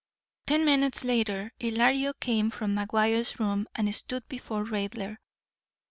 Ten minutes later Ylario came from McGuire's room and stood before Raidler.